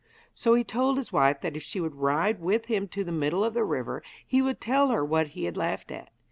So he told his wife that if she would ride with him to the middle of the river he would tell her what he had laughed at.